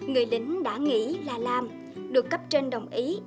người lính đã nghĩ là làm được cấp trên đồng ý